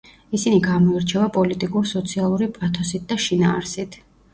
ისინი გამოირჩევა პოლიტიკურ-სოციალური პათოსით და შინაარსით.